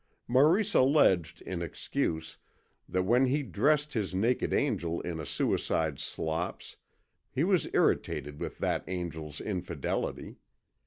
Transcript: Maurice alleged in excuse that when he dressed his naked angel in a suicide's slops, he was irritated with that angel's infidelity.